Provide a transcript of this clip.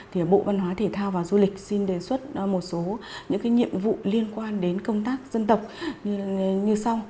thì bộ văn hóa thể thao và du lịch xin đề xuất một số những cái nhiệm vụ liên quan đến công tác dân tộc như sau